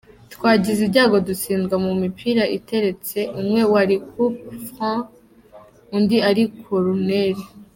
Twagize ibyago dutsindwa ku mipira iteretse, umwe wari coup franc undi ari koruneri.